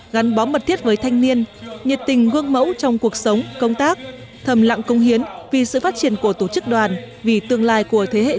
gắn bó mật thiết với thanh niên nhiệt tình gương mẫu trong cuộc sống công tác thầm lặng công hiến vì sự phát triển của tổ chức đoàn vì tương lai của thế hệ